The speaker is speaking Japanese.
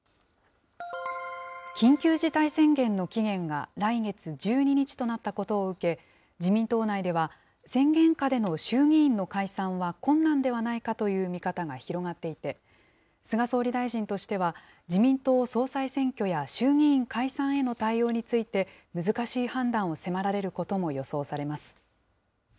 緊急事態宣言の期限が来月１２日となったことを受け、自民党内では宣言下での衆議院の解散は困難ではないかという見方が広がっていて、菅総理大臣としては、自民党総裁選挙や衆議院解散への対応について、難しい判断を迫られることも予想されます。